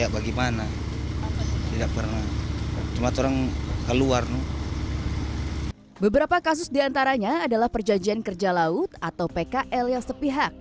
beberapa kasus diantaranya adalah perjanjian kerja laut atau pkl yang sepihak